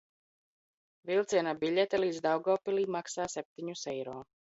Vilciena biļete līdz Daugavpilij maksā septiņus eiro.